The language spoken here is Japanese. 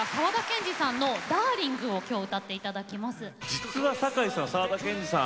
実は酒井さん沢田研二さん